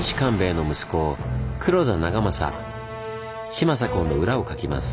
島左近の裏をかきます。